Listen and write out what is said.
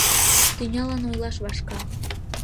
Тӱнялан ойлаш вашка: